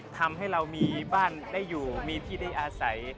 ทำให้เรามีบ้านได้อยู่มีที่ได้อาศัย